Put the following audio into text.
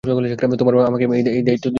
তোমার মা আমাকে, এই দায়িত্ব দিয়েছেন।